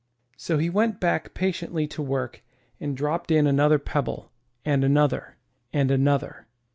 So he went back patiently to work and dropped in another pebble and another and another.